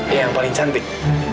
ya yang paling cantik